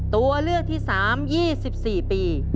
ตัวเลือกที่๓๒๔ปี